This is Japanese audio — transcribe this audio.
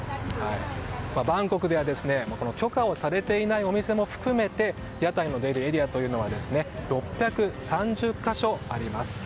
バンコクでは許可をされていないお店も含めて屋台の出るエリアは６３０か所あります。